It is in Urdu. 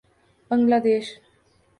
بنگلہ دیش